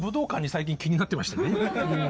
最近気になってましてね。